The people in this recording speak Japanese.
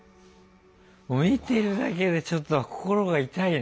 見てるだけでちょっと心が痛いね。